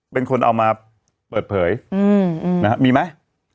เป็นคนเอามาเปิดเผยมีไหม